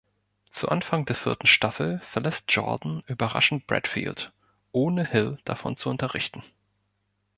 Zu Anfang der vierten Staffel verlässt "Jordan" überraschend Bradfield, ohne "Hill" davon zu unterrichten.